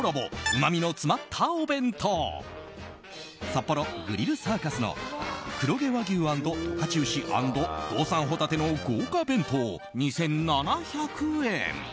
うまみの詰まったお弁当札幌、グリルサーカスの黒毛和牛＆十勝牛＆道産ホタテの豪華弁当２７００円。